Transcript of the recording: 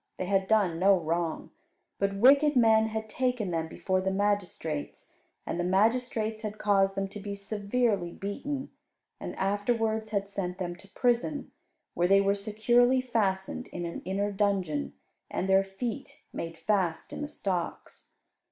They had done no wrong, but wicked men had taken them before the magistrates; and the magistrates had caused them to be severely beaten, and afterwards had sent them to prison, where they were securely fastened in an inner dungeon, and their feet made fast in the stocks.